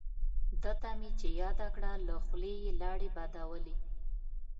دته مې چې یاده کړه له خولې یې لاړې بادولې.